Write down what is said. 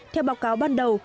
theo báo cáo ban đầu